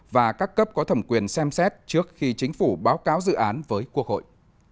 và các cấp có thẩm quyền xem xét trước khi chính phủ báo cáo dự án với quốc hội